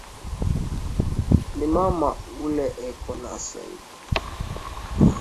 Ni mama ule eko na saidia ba mama mingi